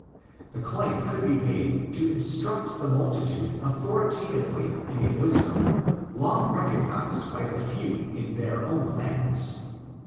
The claim could be made to instruct the multitude authori tatively in a wisdom long recognised by the few in their own lands.